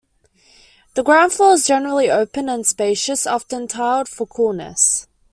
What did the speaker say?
The ground floor is generally open and spacious, often tiled for coolness.